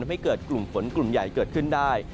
ให้เกิดกลุ่มฝนกลุ่มใหญ่เกิดขึ้นได้